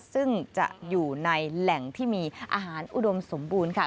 ซึ่งจะอยู่ในแหล่งที่มีอาหารอุดมสมบูรณ์ค่ะ